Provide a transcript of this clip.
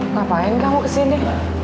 ngapain kamu kesini